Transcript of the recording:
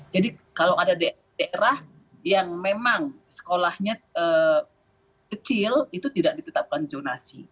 jadi kalau ada daerah yang memang sekolahnya kecil itu tidak ditetapkan zonasi